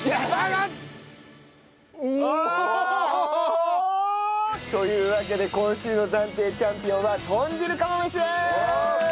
おお！というわけで今週の暫定チャンピオンは豚汁釜飯です！